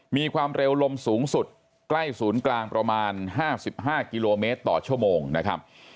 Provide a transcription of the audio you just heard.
มีความเร็วลมสูงสุดใกล้ศูนย์กลางประมาณ๕๕กิโลเมตรต่อชั่วโมงนะครับ